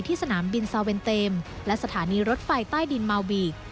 สนามบินซาเวนเตมและสถานีรถไฟใต้ดินเมาบีก